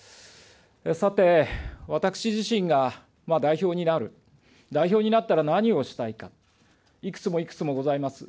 さて、私自身が代表になる、代表になったら何をしたいか、いくつもいくつもございます。